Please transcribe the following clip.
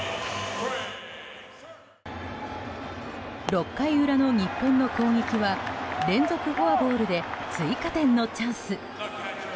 ６回裏の日本の攻撃は連続フォアボールで追加点のチャンス。